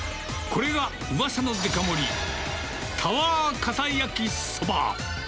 これがうわさのデカ盛り、タワーかた焼きそば。